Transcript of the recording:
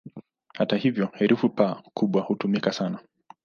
Hata hivyo, herufi "P" kubwa hutumika sana.